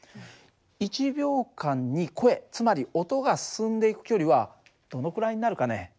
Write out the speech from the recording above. １秒間に声つまり音が進んでいく距離はどのくらいになるかね？